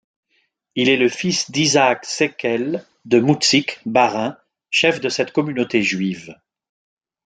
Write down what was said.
Il est le fils d'Isaac Sekel de Mutzig, Bas-Rhin, chef de cette communauté juive.